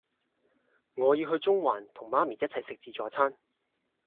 我要去中環同媽咪一齊食自助餐